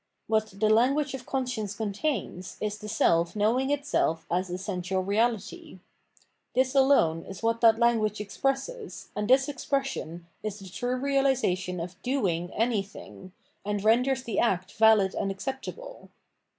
What the language of conscience contains is the self knowing itself as essential reality. This alone is what that language expresses, and this expression is the true reahsation of " doing " anything, and renders the act valid and acceptable.